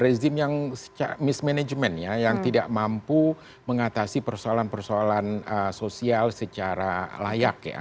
rezim yang mismanagement ya yang tidak mampu mengatasi persoalan persoalan sosial secara layak ya